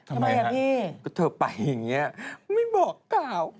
ทำไมอ่ะพี่ก็เธอไปอย่างนี้ไม่บอกกล่าว